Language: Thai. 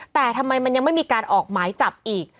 แต่ทำไมมันยังไม่มีการออกหมายจับอีก